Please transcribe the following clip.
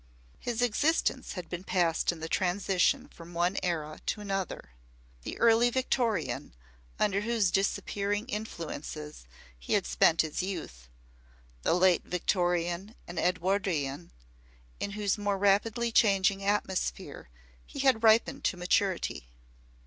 His existence had been passed in the transition from one era to another the Early Victorian, under whose disappearing influences he had spent his youth; the Late Victorian and Edwardian, in whose more rapidly changing atmosphere he had ripened to maturity.